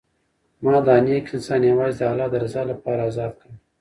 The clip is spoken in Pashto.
ما دا نېک انسان یوازې د الله د رضا لپاره ازاد کړ.